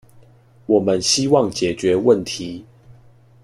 我們希望解決問題